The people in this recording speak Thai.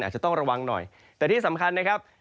อาจจะต้องระวังหน่อยแต่ที่สำคัญนะครับ